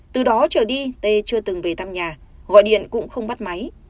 từ đó trở đi tê chưa từng về thăm nhà gọi điện cũng không bắt máy